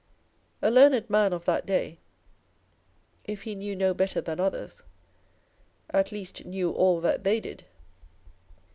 A learned man of that day, if he knew no better than others, at least knew all that they did.